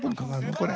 これ。